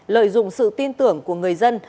lợi dụng sự tin tưởng của người dân